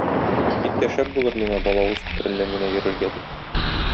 Бик тә шәп булыр миңа балавыз күпереннән генә йөрергә,- ди.